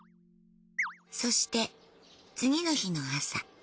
そして次の日の朝。